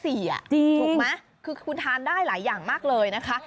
ถูกไหมคือคุณทานได้หลายอย่างมากเลยนะคะ